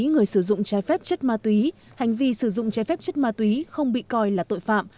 người sử dụng trái phép chất ma túy hành vi sử dụng trái phép chất ma túy không bị coi là tội phạm